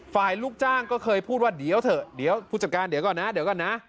ลูกจ้างก็เคยพูดว่าเดี๋ยวเถอะเดี๋ยวผู้จัดการเดี๋ยวก่อนนะเดี๋ยวก่อนนะ